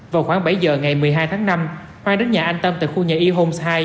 vào khoảng bảy giờ ngày một mươi hai tháng năm khoai đến nhà anh tâm tại khu nhà y homes hai